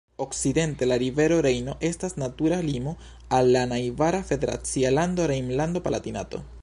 Okcidente la rivero Rejno estas natura limo al la najbara federacia lando Rejnlando-Palatinato.